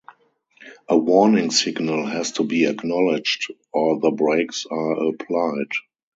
A warning signal has to be acknowledged or the brakes are applied.